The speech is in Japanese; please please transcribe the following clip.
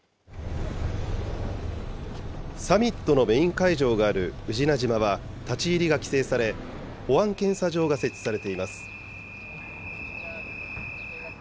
サミットのメイン会場がある宇品島は立ち入りが規制され、保安検査場が設置されています。